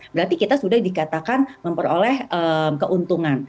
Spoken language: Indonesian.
berarti kita sudah dikatakan memperoleh keuntungan